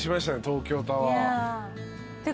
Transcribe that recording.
東京タワーって。